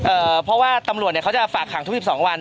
เพราะว่าตำรวจเนี่ยเขาจะฝากขังทุกสิบสองวัน